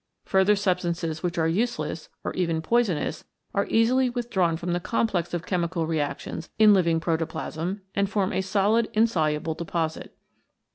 Further substances which are useless or even poisonous are easily withdrawn from the complex of chemical reactions in living protoplasm, and form a solid insoluble deposit.